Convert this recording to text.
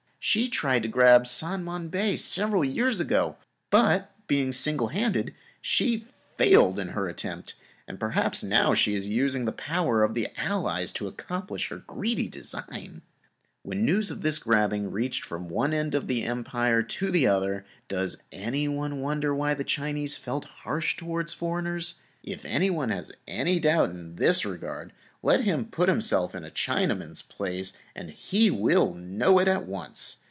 She tried to grab San Mon Bay several years ago, but being single handed, she failed in her attempt. And perhaps she is now using the power of the Allies to accomplish her greedy design. When the news of this grabbing reached from one end of the Empire to the other, does any one wonder that the Chinese felt harsh toward the foreigners? If anyone has any doubt in this regard, let him just put himself in a Chinaman's place and he will know it at once.